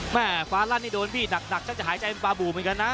ฟ้าลั่นนี่โดนพี่หนักฉันจะหายใจเป็นฟาบูเหมือนกันนะ